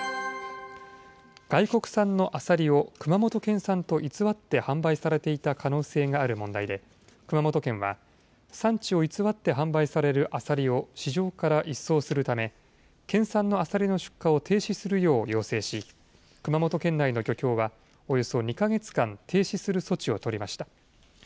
外国産のアサリを熊本県産と偽って販売されていた可能性がある問題で、熊本県は、産地を偽って販売されるアサリを市場から一掃するため、県産のアサリの出荷を停止するよう要請し、熊本県内の漁協は、およそ２か月間、停止する措置を取りました。